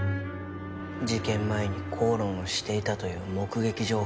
事件前に口論していたという目撃情報。